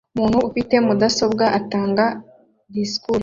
Umuntu ufite mudasobwa atanga disikuru